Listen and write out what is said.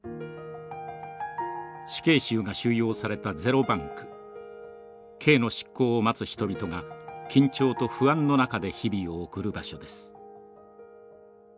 死刑囚が収容されたゼロ番区刑の執行を待つ人々が緊張と不安の中で日々を送る場所です。